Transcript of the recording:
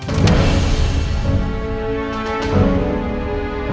aku mau denger